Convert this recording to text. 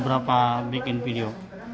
berapa bikin video